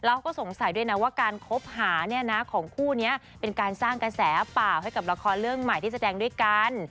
เขาก็สงสัยด้วยนะว่าการคบหาเนี่ยนะของคู่นี้เป็นการสร้างกระแสเปล่าให้กับละครเรื่องใหม่ที่แสดงด้วยกัน